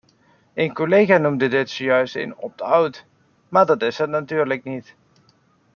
Een collega noemde dit zojuist een opt-out, maar dat is het natuurlijk niet.